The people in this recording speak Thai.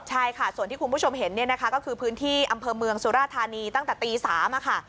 ใช่ค่ะส่วนที่คุณผู้ชมเห็นเนี่ยนะคะก็คือพื้นที่อำเภอเมืองสุราธานีตั้งแต่ตี๓ค่ะ